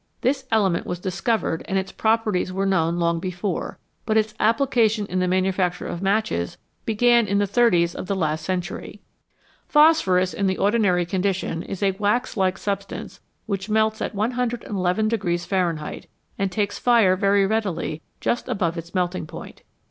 This element was discovered and its properties were known long before, but its application in the manufacture of matches began in the thirties of last century. Phosphorus in the ordinary condition is a wax like substance which melts at 111 Fahrenheit, and takes fire very readily just above its melting point.